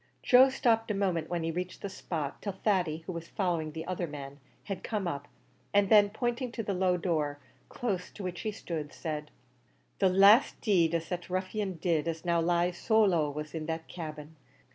Joe stopped a moment when he reached the spot, till Thady, who was following the other man, had come up, and then, pointing to the low door, close to which he stood, said, "The last deed as that ruffian did as now lies so low was in that cabin.